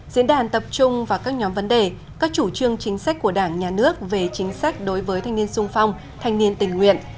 diễn đàn tập trung vào các nhóm vấn đề các chủ trương chính sách của đảng nhà nước về chính sách đối với thanh niên sung phong thanh niên tình nguyện